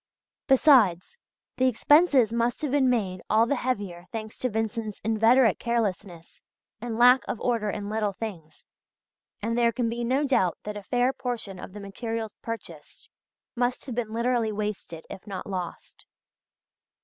Besides, the expenses must have been made all the heavier thanks to Vincent's inveterate carelessness and lack of order in little things, and there can be no doubt that a fair portion of the materials purchased must have been literally wasted, if not lost.